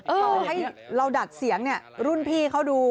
ต่อให้เราดัดเสียงรุ่นพี่เขาดู